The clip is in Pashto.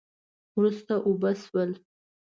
وروسته اوبه شول